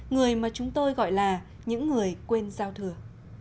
người mà chúng tôi gọi là những người quên giao thừa